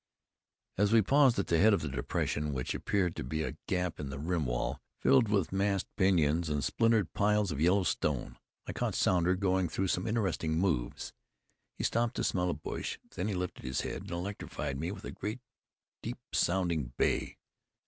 As we paused at the head of a depression, which appeared to be a gap in the rim wall, filled with massed pinyons and splintered piles of yellow stone, caught Sounder going through some interesting moves. He stopped to smell a bush. Then he lifted his head, and electrified me with a great, deep sounding bay.